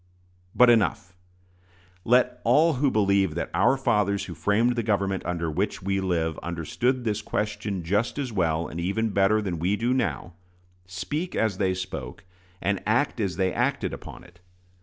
But enough! Let all who believe that "our fathers who framed the government under which we live understood this question just as well, and even better, than we do now," speak as they spoke, and act as they acted upon it.